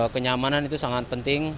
kenyamanan itu sangat penting